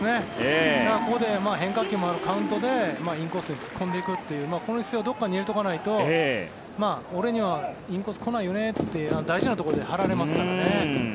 ここで変化球もあるカウントでインコースで突っ込んでいくというこの姿勢をどこかで入れておかないと俺にはインコース来ないよねって大事なところで張られますからね。